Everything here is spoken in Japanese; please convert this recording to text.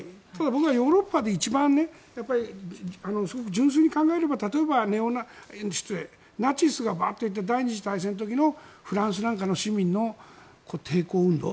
僕はヨーロッパで一番すごく純粋に考えれば例えば、ナチスがバーっと行って第２次大戦の時のフランスなんかの市民の抵抗運動。